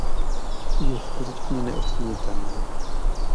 Je skutečně neocenitelná.